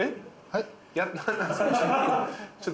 はい。